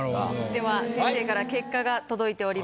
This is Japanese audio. では先生から結果が届いております。